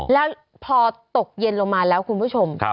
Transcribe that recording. แล้วพอตกเย็นลงมาแล้วคุณผู้ชม